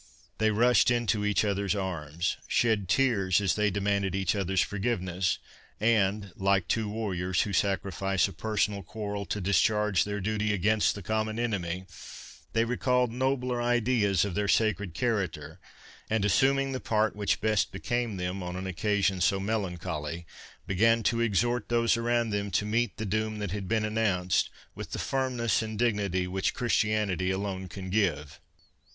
they rushed into each other's arms, shed tears as they demanded each other's forgiveness, and, like two warriors, who sacrifice a personal quarrel to discharge their duty against the common enemy, they recalled nobler ideas of their sacred character, and assuming the part which best became them on an occasion so melancholy, began to exhort those around them to meet the doom that had been announced, with the firmness and dignity which Christianity alone can give.